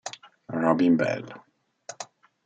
Robin Bell